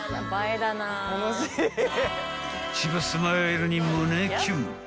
［千葉スマイルに胸キュン］